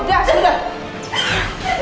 jangan tinggalin aku